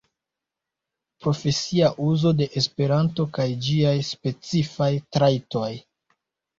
Profesia uzo de Esperanto kaj ĝiaj specifaj trajtoj.